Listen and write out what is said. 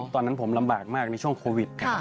ตอนนั้นผมลำบากมากในช่วงโควิด